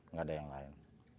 nggak ada yang lain